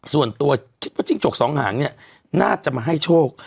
ส่วนตัวคิดว่าจิ้งจกสองหางเนี่ยน่าจะมาให้โชค